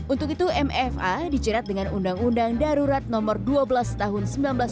untuk itu mfa dicerat dengan undang undang darurat no dua belas tahun seribu sembilan ratus lima puluh satu